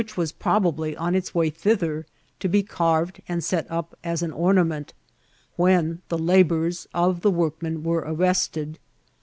147 was probably on its way thither, to be carved and set up as an <Mmament, when the labours of the workmen were arrested.